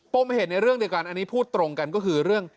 เหตุในเรื่องเดียวกันอันนี้พูดตรงกันก็คือเรื่อง